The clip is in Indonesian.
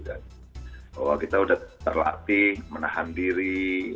bahwa kita sudah terlatih menahan diri